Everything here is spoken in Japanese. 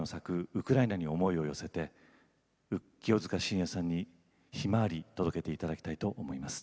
ウクライナに思い寄せて「ひまわり」を届けていただきたいと思います。